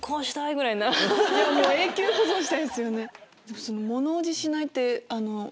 永久保存したいですよね。